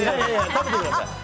食べてください。